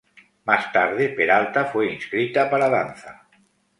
Más tarde, Peralta fue inscrita para danza.